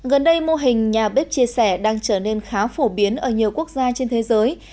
gần đây mô hình nhà bếp chia sẻ đang trở nên khá phổ biến ở nhiều quốc gia trên thế giới